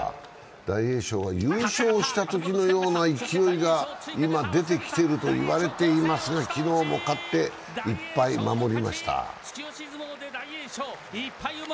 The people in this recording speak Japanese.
大栄翔は優勝したときのような勢いが今、出てきてると言われますが昨日も勝って１敗を守りました。